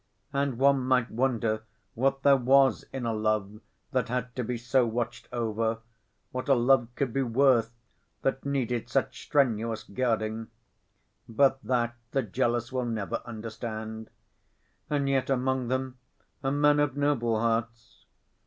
And one might wonder what there was in a love that had to be so watched over, what a love could be worth that needed such strenuous guarding. But that the jealous will never understand. And yet among them are men of noble hearts.